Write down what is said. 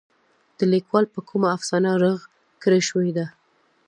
د ليکوال په کومه افسانه رغ کړے شوې ده.